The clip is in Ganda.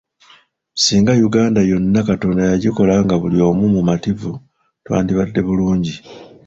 Singa Uganda yonna Katonda yagikola nga buli omu mumativu twandibadde bulungi.